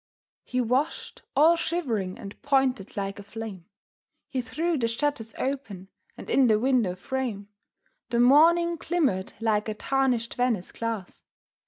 He washed, all shivering and pointed like a flame. He threw the shutters open, and in the window frame The morning glimmered like a tarnished Venice glass.